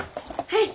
はい。